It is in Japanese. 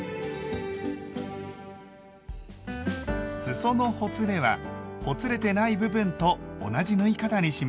すそのほつれはほつれてない部分と同じ縫い方にします。